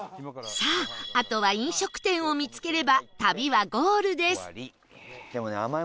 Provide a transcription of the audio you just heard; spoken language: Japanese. さああとは飲食店を見つければ旅はゴールです